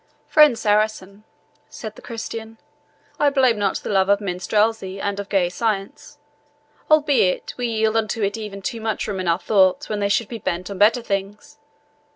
"Friend Saracen," said the Christian, "I blame not the love of minstrelsy and of the GAI SCIENCE; albeit, we yield unto it even too much room in our thoughts when they should be bent on better things.